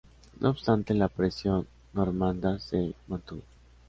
No obstante, la presión normanda se mantuvo.